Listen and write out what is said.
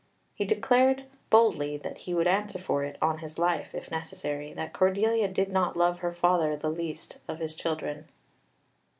He declared boldly that he would answer for it, on his life if necessary, that Cordelia did not love her father the least of his children.